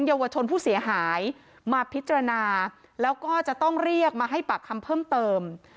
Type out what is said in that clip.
เยาวชนผู้เสียหายมาพิจารณาแล้วก็จะต้องเรียกมาให้ปากคำเพิ่มเติม